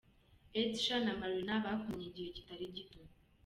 Edsha na Marina bakundanye igihe kitari gito.